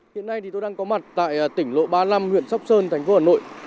hiện nay tôi đang có mặt tại tỉnh lộ ba mươi năm huyện sóc sơn tp hà nội